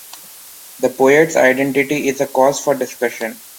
The poet’s identity is a cause for discussion.